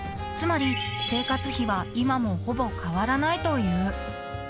［つまり生活費は今もほぼ変わらないという］